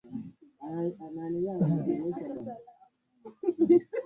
Maeneo yao mengi yanazidiwa na Wadatooga